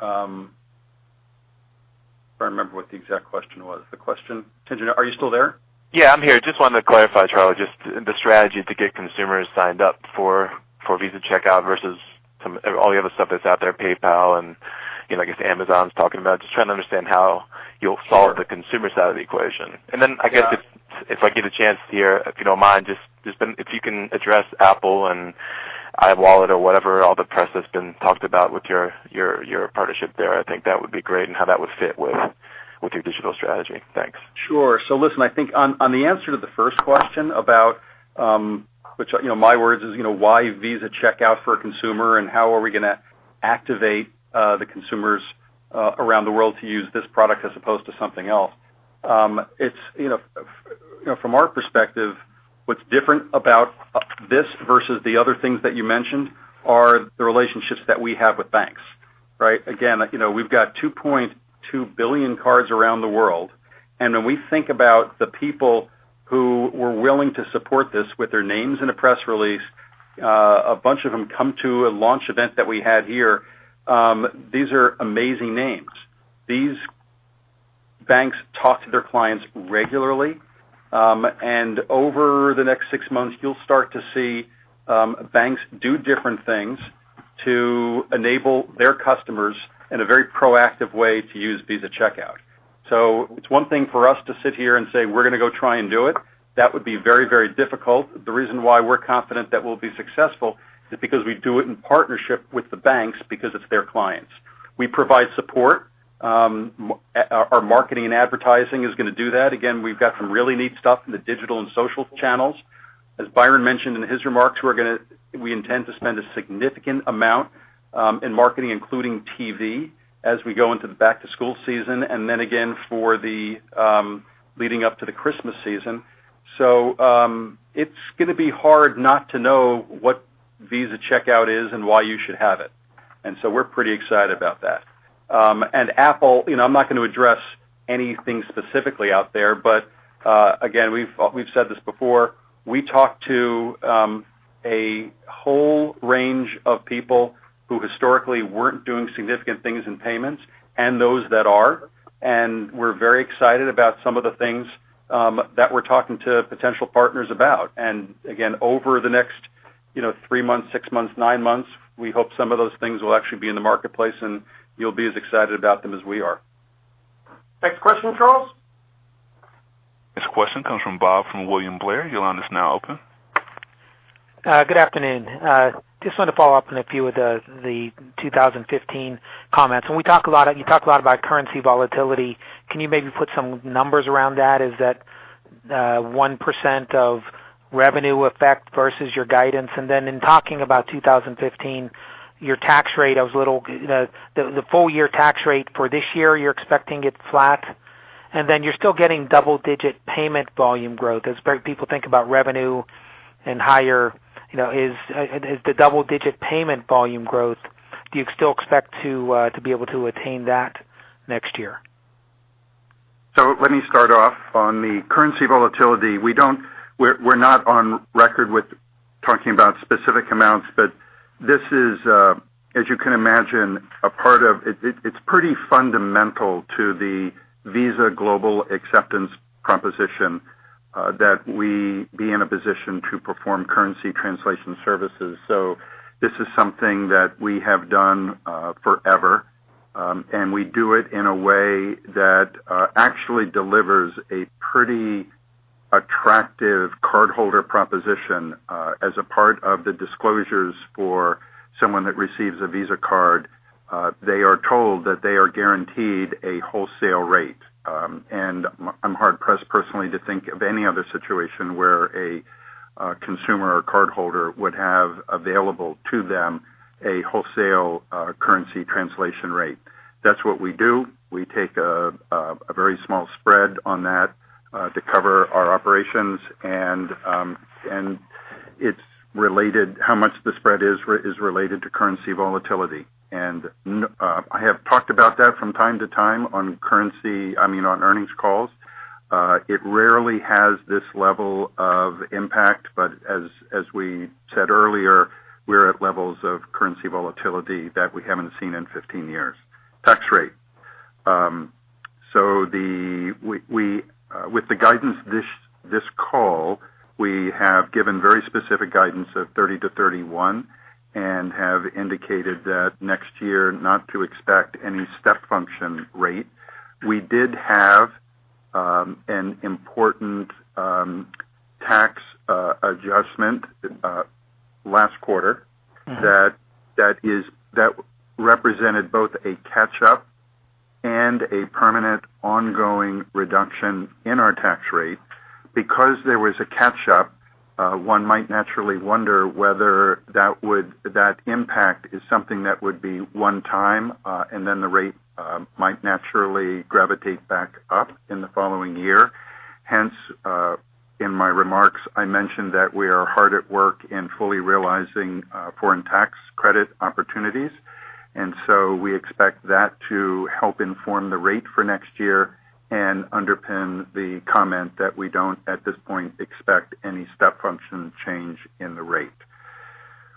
I don't remember what the exact question was. Are you still there? Yeah. I'm here. Just wanted to clarify, Charlie, just the strategy to get consumers signed up for Visa Checkout versus all the other stuff that's out there, PayPal and, I guess, Amazon's talking about. Just trying to understand how you'll solve the consumer side of the equation. Then I guess if I get a chance here, if you don't mind, if you can address Apple and iWallet or whatever, all the press that's been talked about with your partnership there, I think that would be great and how that would fit with your digital strategy. Thanks. Sure. Listen, I think on the answer to the first question about, which my words is, why Visa Checkout for a consumer and how are we going to activate the consumers around the world to use this product as opposed to something else. From our perspective, what's different about this versus the other things that you mentioned are the relationships that we have with banks. Right? Again, we've got 2.2 billion cards around the world. When we think about the people who were willing to support this with their names in a press release, a bunch of them come to a launch event that we had here. These are amazing names. These banks talk to their clients regularly. Over the next six months, you'll start to see banks do different things to enable their customers in a very proactive way to use Visa Checkout. It's one thing for us to sit here and say, "We're going to go try and do it." That would be very, very difficult. The reason why we're confident that we'll be successful is because we do it in partnership with the banks because it's their clients. We provide support. Our marketing and advertising is going to do that. Again, we've got some really neat stuff in the digital and social channels. As Byron mentioned in his remarks, we intend to spend a significant amount in marketing, including TV, as we go into the back-to-school season and then again for the leading up to the Christmas season, so it's going to be hard not to know what Visa Checkout is and why you should have it, and so we're pretty excited about that. And Apple, I'm not going to address anything specifically out there, but again, we've said this before. We talked to a whole range of people who historically weren't doing significant things in payments and those that are, and we're very excited about some of the things that we're talking to potential partners about, and again, over the next three months, six months, nine months, we hope some of those things will actually be in the marketplace and you'll be as excited about them as we are. Next question, Charles. Next question comes from Bob from William Blair. Your line is now open. Good afternoon. Just wanted to follow up on a few of the 2015 comments. When we talk a lot, you talk a lot about currency volatility. Can you maybe put some numbers around that? Is that 1% of revenue effect versus your guidance? And then in talking about 2015, your tax rate, the full-year tax rate for this year, you're expecting it flat. And then you're still getting double-digit payment volume growth. As people think about revenue and higher, is the double-digit payment volume growth, do you still expect to be able to attain that next year? So let me start off on the currency volatility. We're not on record with talking about specific amounts, but this is, as you can imagine, a part of it that's pretty fundamental to the Visa Global Acceptance proposition that we be in a position to perform currency translation services. So this is something that we have done forever. And we do it in a way that actually delivers a pretty attractive cardholder proposition. As a part of the disclosures for someone that receives a Visa card, they are told that they are guaranteed a wholesale rate. And I'm hard-pressed personally to think of any other situation where a consumer or cardholder would have available to them a wholesale currency translation rate. That's what we do. We take a very small spread on that to cover our operations. And how much the spread is is related to currency volatility. I have talked about that from time to time on currency, I mean, on earnings calls. It rarely has this level of impact, but as we said earlier, we're at levels of currency volatility that we haven't seen in 15 years. Tax rate. So with the guidance this call, we have given very specific guidance of 30%-31% and have indicated that next year not to expect any step function rate. We did have an important tax adjustment last quarter that represented both a catch-up and a permanent ongoing reduction in our tax rate. Because there was a catch-up, one might naturally wonder whether that impact is something that would be one time, and then the rate might naturally gravitate back up in the following year. Hence, in my remarks, I mentioned that we are hard at work in fully realizing foreign tax credit opportunities. We expect that to help inform the rate for next year and underpin the comment that we don't, at this point, expect any step function change in the rate.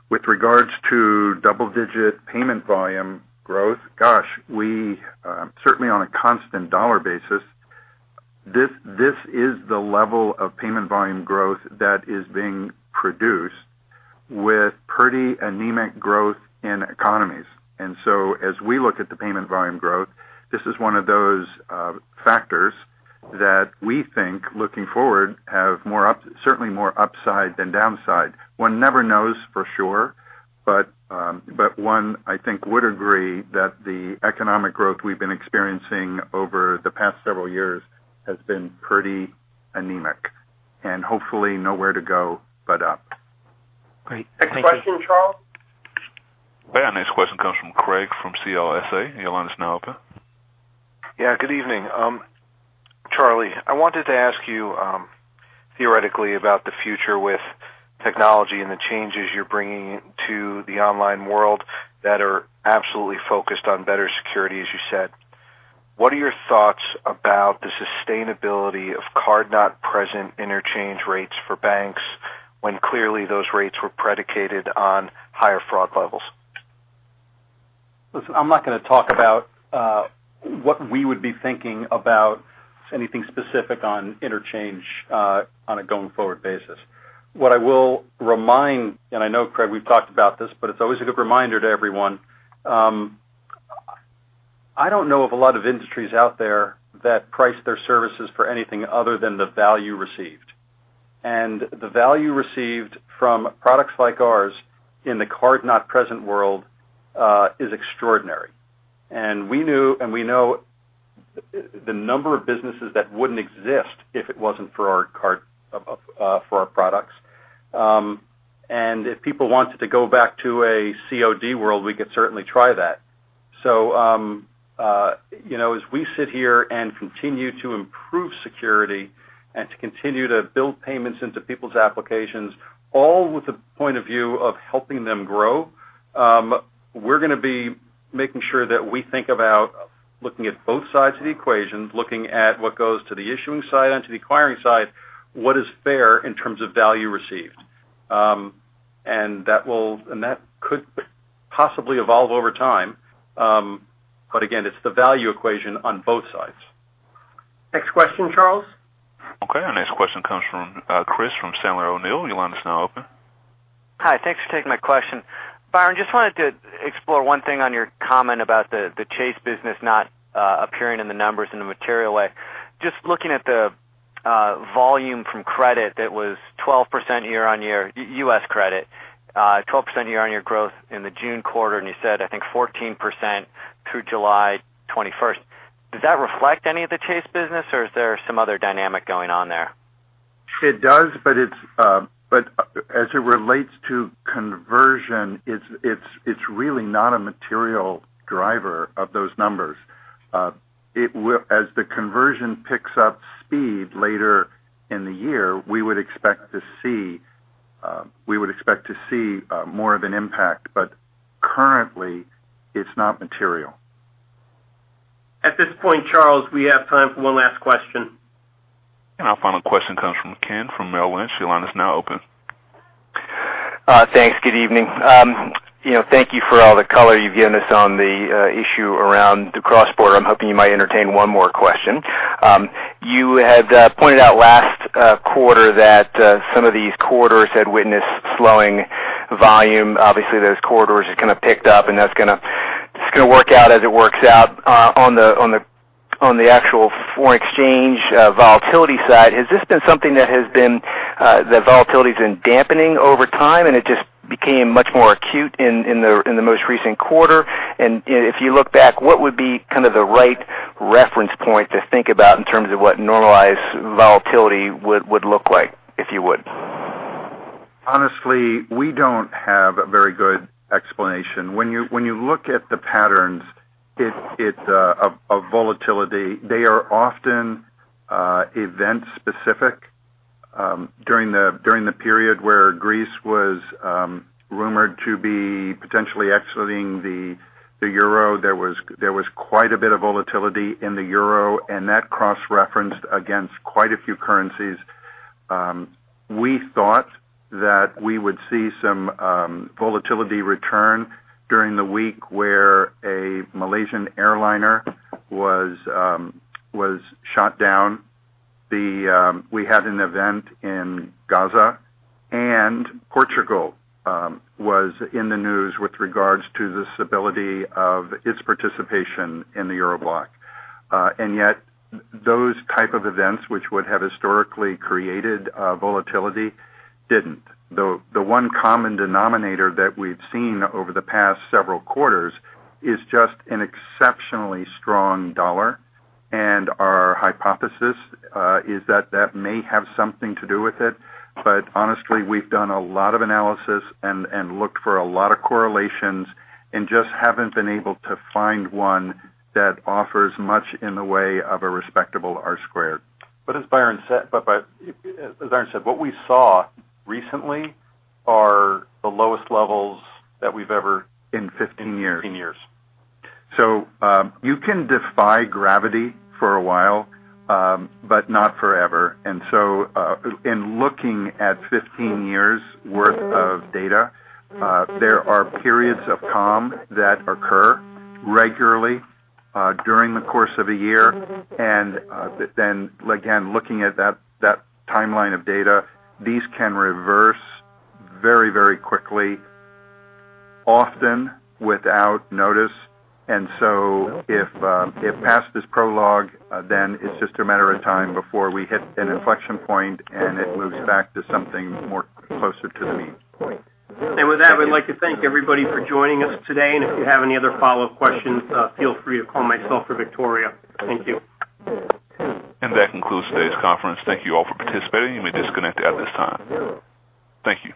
With regards to double-digit payment volume growth, gosh, certainly on a constant dollar basis, this is the level of payment volume growth that is being produced with pretty anemic growth in economies. As we look at the payment volume growth, this is one of those factors that we think, looking forward, have certainly more upside than downside. One never knows for sure, but one I think would agree that the economic growth we've been experiencing over the past several years has been pretty anemic and hopefully nowhere to go but up. Great. Next question, Charles. Our next question comes from Craig from CLSA. Your line is now open. Yeah. Good evening. Charlie, I wanted to ask you theoretically about the future with technology and the changes you're bringing to the online world that are absolutely focused on better security, as you said. What are your thoughts about the sustainability of card-not-present interchange rates for banks when clearly those rates were predicated on higher fraud levels? Listen, I'm not going to talk about what we would be thinking about anything specific on interchange on a going-forward basis. What I will remind, and I know, Craig, we've talked about this, but it's always a good reminder to everyone. I don't know of a lot of industries out there that price their services for anything other than the value received. And the value received from products like ours in the card-not-present world is extraordinary. And we knew and we know the number of businesses that wouldn't exist if it wasn't for our products. And if people wanted to go back to a COD world, we could certainly try that. So as we sit here and continue to improve security and to continue to build payments into people's applications, all with the point of view of helping them grow, we're going to be making sure that we think about looking at both sides of the equation, looking at what goes to the issuing side and to the acquiring side, what is fair in terms of value received. And that could possibly evolve over time. But again, it's the value equation on both sides. Next question, Charles. Okay. Our next question comes from Chris from Sandler O'Neill. Your line is now open. Hi. Thanks for taking my question. Byron, just wanted to explore one thing on your comment about the Chase business not appearing in the numbers in a material way. Just looking at the volume from credit that was 12% year-on-year, US credit, 12% year-on-year growth in the June quarter, and you said, I think, 14% through July 21st. Does that reflect any of the Chase business, or is there some other dynamic going on there? It does, but as it relates to conversion, it's really not a material driver of those numbers. As the conversion picks up speed later in the year, we would expect to see more of an impact, but currently, it's not material. At this point, Charles, we have time for one last question. Our final question comes from Ken from Merrill Lynch. Your line is now open. Thanks. Good evening. Thank you for all the color you've given us on the issue around the cross-border. I'm hoping you might entertain one more question. You had pointed out last quarter that some of these corridors had witnessed slowing volume. Obviously, those corridors have kind of picked up, and that's going to work out as it works out. On the actual foreign exchange volatility side, has this been something that has been the volatility has been dampening over time, and it just became much more acute in the most recent quarter? And if you look back, what would be kind of the right reference point to think about in terms of what normalized volatility would look like, if you would? Honestly, we don't have a very good explanation. When you look at the patterns of volatility, they are often event-specific. During the period where Greece was rumored to be potentially exiting the euro, there was quite a bit of volatility in the Euro, and that cross-referenced against quite a few currencies. We thought that we would see some volatility return during the week where a Malaysian airliner was shot down. We had an event in Gaza, and Portugal was in the news with regards to the stability of its participation in the euro bloc and yet, those types of events, which would have historically created volatility, didn't. The one common denominator that we've seen over the past several quarters is just an exceptionally strong dollar and our hypothesis is that that may have something to do with it, but honestly, we've done a lot of analysis and looked for a lot of correlations and just haven't been able to find one that offers much in the way of a respectable R-squared, But as Byron said, what we saw recently are the lowest levels that we've ever seen in 15 years. so you can defy gravity for a while, but not forever. And so in looking at 15 years' worth of data, there are periods of calm that occur regularly during the course of a year. And then again, looking at that timeline of data, these can reverse very, very quickly, often without notice. And so if past is prologue, then it's just a matter of time before we hit an inflection point and it moves back to something more closer to the mean. And with that, we'd like to thank everybody for joining us today. And if you have any other follow-up questions, feel free to call myself or Victoria. Thank you. And that concludes today's conference. Thank you all for participating. You may disconnect at this time. Thank you.